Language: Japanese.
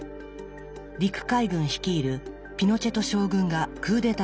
陸海軍率いるピノチェト将軍がクーデターを起こしました。